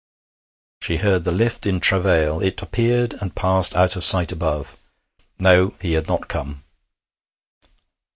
She heard the lift in travail. It appeared and passed out of sight above. No, he had not come!